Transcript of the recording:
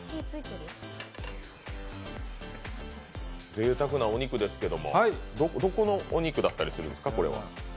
ぜいたくなお肉ですけどどこのお肉だったりするんですか？